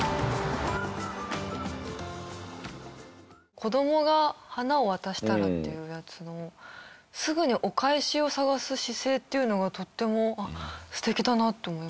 子供が花を渡したらっていうやつのすぐにお返しを探す姿勢っていうのがとても素敵だなって思いました。